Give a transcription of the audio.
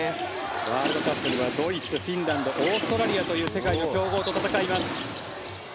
ワールドカップではドイツ、フィンランドオーストラリアという世界の強豪と戦います。